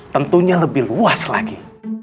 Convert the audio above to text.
tentunya lebih luas lagi